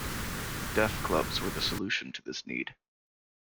Deaf clubs were the solution to this need.